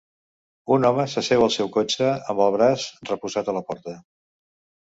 Un home s'asseu al seu cotxe, amb el braç reposat a la porta.